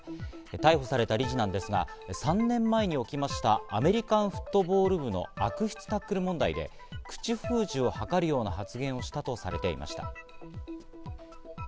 逮捕された理事なんですが、３年前に起きました、アメリカンフットボール部の悪質タックル問題で口封じをはかるような発言をしたとされていました。